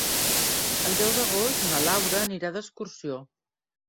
El deu d'agost na Laura anirà d'excursió.